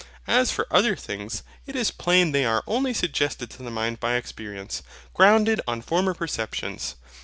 As for other things, it is plain they are only suggested to the mind by experience, grounded on former perceptions.